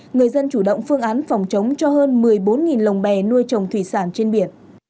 người dân chủ động phương án phòng chống cho hơn một mươi bốn lồng bè nuôi trồng thủy sản trên biển